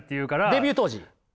デビュー当時？